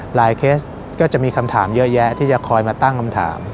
เคสก็จะมีคำถามเยอะแยะที่จะคอยมาตั้งคำถาม